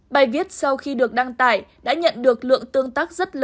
bài viết sau khi được đăng tải đã nhận được lượng tương tác